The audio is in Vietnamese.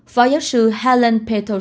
phó giáo sư helen